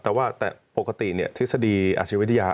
แต่ว่าแต่ปกติทฤษฎีอาชีวิทยา